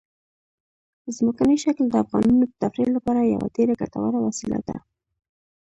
ځمکنی شکل د افغانانو د تفریح لپاره یوه ډېره ګټوره وسیله ده.